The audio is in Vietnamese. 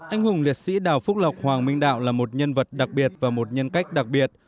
anh hùng liệt sĩ đào phúc lộc hoàng minh đạo là một nhân vật đặc biệt và một nhân cách đặc biệt